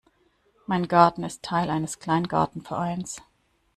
Mein Garten ist Teil eines Kleingartenvereins.